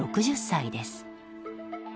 ６０歳です。